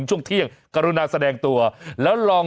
ก็ปล่อยมาคืน